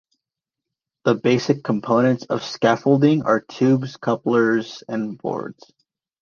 The basic components of scaffolding are tubes, couplers and boards.